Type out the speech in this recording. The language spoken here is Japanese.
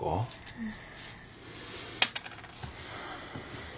うん。